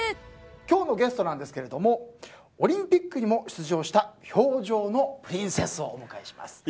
今日のゲストなんですけどオリンピックにも出場した氷上のプリンセスをお迎えします。